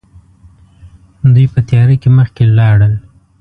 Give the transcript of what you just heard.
دوی په تياره کې مخکې لاړل.